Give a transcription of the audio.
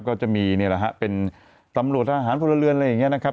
ก็จะมีเป็นตำรวจอาหารพลเรือนอะไรอย่างนี้นะครับ